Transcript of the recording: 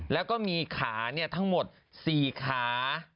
และก็มีขาทั้งหมดสี่ขา